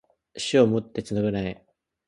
死をもって償え